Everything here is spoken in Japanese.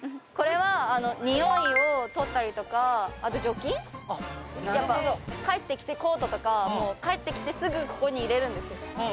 これはにおいをとったりとかあと除菌帰ってきてコートとか帰ってきてすぐここに入れるんですよ